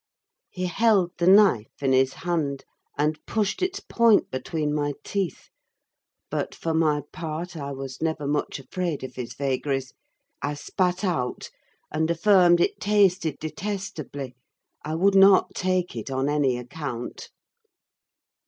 He held the knife in his hand, and pushed its point between my teeth: but, for my part, I was never much afraid of his vagaries. I spat out, and affirmed it tasted detestably—I would not take it on any account.